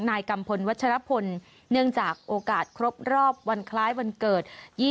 นายกัมพลวัชรพลเนื่องจากโอกาสครบรอบวันคล้ายวันเกิด